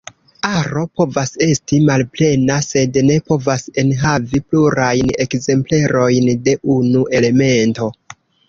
Aro povas esti malplena, sed ne povas enhavi plurajn ekzemplerojn de unu elemento.